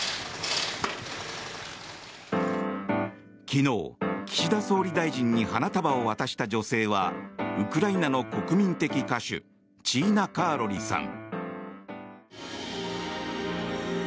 昨日、岸田総理大臣に花束を渡した女性はウクライナの国民的歌手チーナ・カーロリさん。